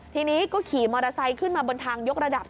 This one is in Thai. ทีนี้ก็ขี่มอเตอร์ไซค์ขึ้นมาบนทางยกระดับ